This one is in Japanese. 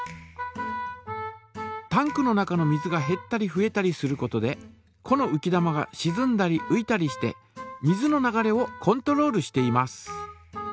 タンクの中の水がへったりふえたりすることでこのうき玉がしずんだりういたりして水の流れをコントロールしています。